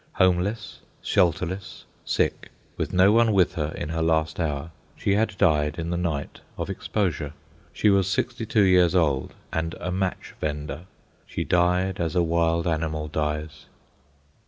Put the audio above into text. Homeless, shelterless, sick, with no one with her in her last hour, she had died in the night of exposure. She was sixty two years old and a match vendor. She died as a wild animal dies.